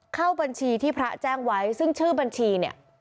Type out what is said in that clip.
เข้าบัญชีที่พระแจ้งไว้ซึ่งชื่อบัญชีเนี่ย